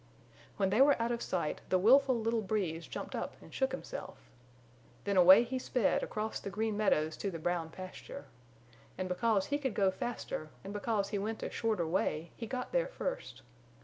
When they were out of sight the willful little Breeze jumped up and shook himself. Then away he sped across the Green Meadows to the Brown Pasture. And because he could go faster and because he went a shorter way he got there first.